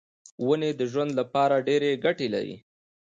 ونې د ژوند لپاره ډېرې ګټې لري.